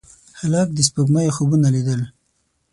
هلک د سپوږمۍ خوبونه لیدل.